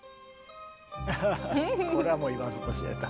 ハハハこれはもう言わずと知れた。